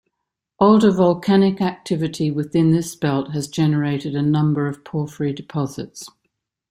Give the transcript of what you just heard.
Older volcanic activity within this belt has generated a number of porphyry deposits.